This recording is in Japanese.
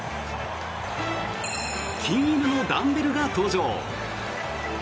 金色のダンベルが登場。